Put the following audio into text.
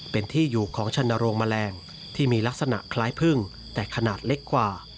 เป็นที่อยู่ของชนโรงแมลงที่มีลักษณะคล้ายพึ่งแต่ขนาดเล็กกว่า